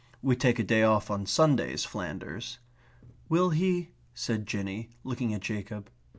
"We take a day off on Sundays, Flanders." "Will he ..." said Jinny, looking at Jacob.